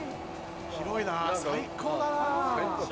広いな最高だな。